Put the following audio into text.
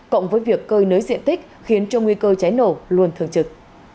cộng với việc cơi nới diện tích khiến cho nguy cơ cháy nổ luôn thường trực